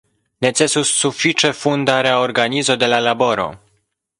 Necesus sufiĉe funda reorganizo de la laboro.